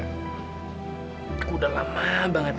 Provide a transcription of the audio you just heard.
aku udah lama banget